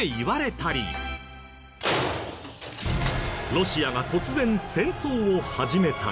ロシアが突然戦争を始めたり。